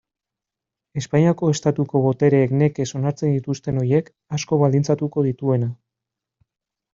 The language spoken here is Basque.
Espainiako Estatuko botereek nekez onartzen dituzten horiek, asko baldintzatuko dituena.